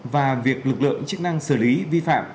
và việc lực lượng chức năng xử lý vi phạm